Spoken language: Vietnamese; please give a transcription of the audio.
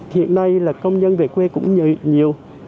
hiện nay là công nhân về quê cũng nhiều